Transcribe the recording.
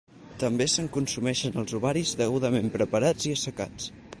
També se'n consumeixen els ovaris degudament preparats i assecats.